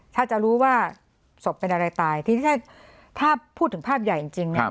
ถ้าจะรู้ว่าศพเป็นอะไรตายถ้าพูดถึงภาพใหญ่จริง